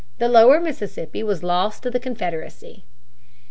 The lower Mississippi was lost to the Confederacy.